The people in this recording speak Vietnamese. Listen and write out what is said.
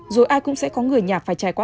rồi ai cũng sẽ có người nhà phải trải qua